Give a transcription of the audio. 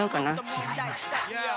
違いました。